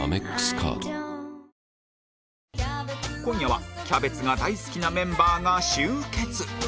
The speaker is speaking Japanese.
今夜はキャベツが大好きなメンバーが集結